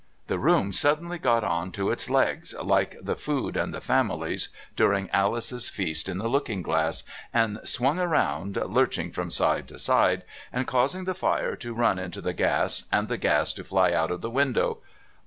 The room suddenly got on to its legs, like the food and the families during Alice's feast in the "Looking Glass," and swung round, lurching from side to side, and causing the fire to run into the gas and the gas to fly out of the window.